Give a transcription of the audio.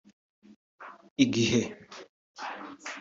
igihe